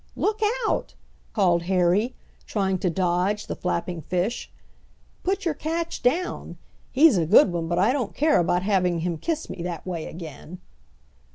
"Look out!" called Harry, trying to dodge the flapping fish. "Put your catch down. He's a good one, but I don't care about having him kiss me that way again."